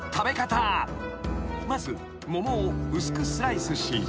［まず桃を薄くスライスし］